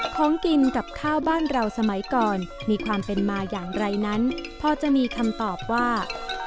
ของกินกับข้าวบ้านเราสมัยก่อนมีความเป็นมาอย่างไรนั้นพอจะมีคำตอบว่า